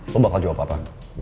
lu bakal jawab apa